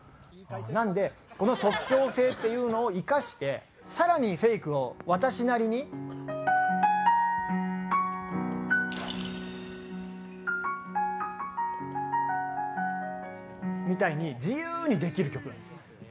なので、この即興性っていうのを生かして更にフェイクを私なりに。清塚：みたいに自由にできる曲なんです。